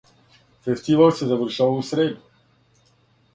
Фестивал се завршава у среду.